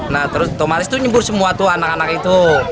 nah terus otomatis itu nyebur semua tuh anak anak itu